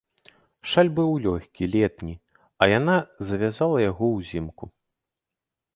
Шаль быў лёгкі, летні, а яна завязала яго ўзімку.